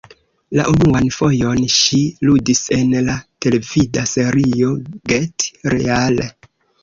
La unuan fojon ŝi ludis en la televida serio "Get Real".